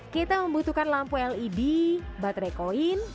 kita membutuhkan lampu led baterai koin dan lampu lampu